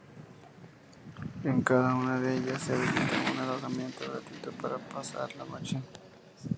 En cada una de ellas se habilitaba un alojamiento gratuito para pasar la noche.